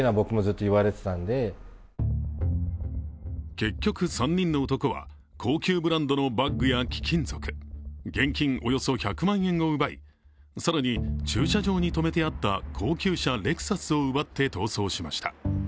結局、３人の男は高級ブランドのバッグや貴金属、現金およそ１００万円を奪い、更に、駐車場に止めてあった高級車レクサスを奪って逃走しました。